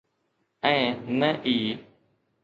۽ نه ئي.